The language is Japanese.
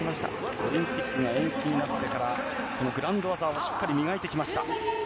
オリンピックが延期になってからグラウンド技をしっかり磨いてきました。